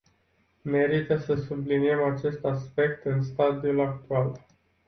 Merită să subliniem acest aspect în stadiul actual.